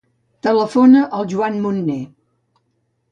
Telefona al Juan Munne.